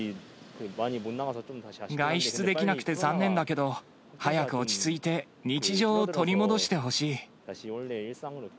外出できなくて残念だけど、早く落ち着いて日常を取り戻してほしい。